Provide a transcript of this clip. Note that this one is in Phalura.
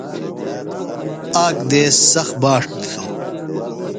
آک دیس سخت باݜ دِتوۡ۔